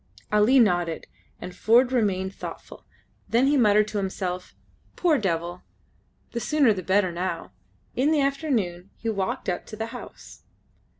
Ali nodded, and Ford remained thoughtful; then he muttered to himself, "Poor devil! The sooner the better now." In the afternoon he walked up to the house.